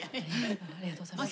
ありがとうございます。